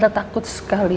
tante takut sekali